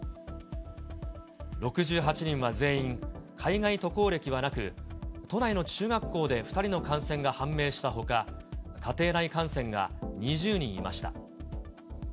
６８人は全員、海外渡航歴はなく、都内の中学校で２人の感染が判明したほか、家庭内感染が２０人いました。